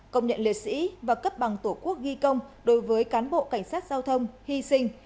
công nhận liệt sĩ và cấp bằng tổ quốc ghi công đối với cán bộ cảnh sát giao thông hy sinh